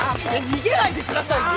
逃げないでくださいよ！